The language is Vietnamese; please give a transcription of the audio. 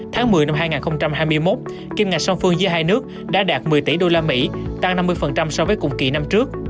tháng một mươi năm hai nghìn hai mươi một kim ngạch song phương giữa hai nước đã đạt một mươi tỷ usd tăng năm mươi so với cùng kỳ năm trước